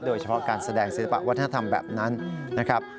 โดยเฉพาะการแสดงศิลปะวัฒนธรรมแบบนั้นนะครับ